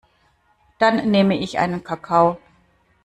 Dann nehm ich einen Kakao.